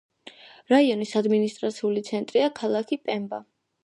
რაიონის ადმინისტრაციული ცენტრია ქალაქი პემბა.